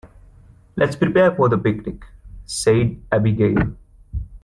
"Let's prepare for the picnic!", said Abigail.